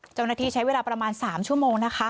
เจ้าหน้าที่ใช้เวลาประมาณ๓ชั่วโมงนะคะ